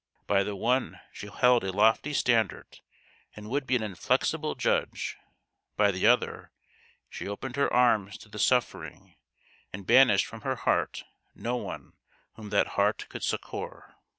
By the one she held a lofty standard and would be an inflexible judge ; by the other she opened her arms to the suffering, and banished from her heart no one whom that heart could succour.